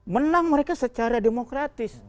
menang mereka secara demokratis